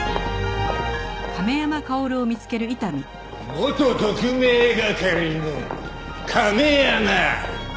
元特命係の亀山。